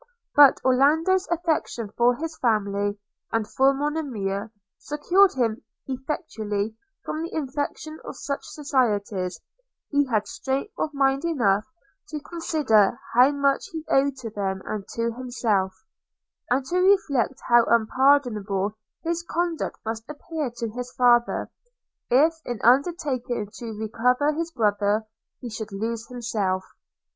But Orlando's affection for his family, and for Monimia, secured him effectually from the infection of such societies – he had strength of mind enough to consider how much he owed to them and to himself, and to reflect how unpardonable his conduct must appear to his father, if, in undertaking to recover his brother, he should lose himself.